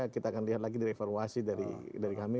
kita akan lihat lagi direvaluasi dari kami